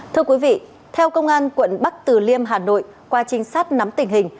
thưa quý vị theo công an quận bắc từ liêm hà nội qua trinh sát nắm tình hình